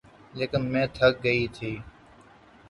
لیکن میں تھک گئی تھی